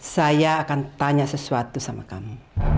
saya akan tanya sesuatu sama kamu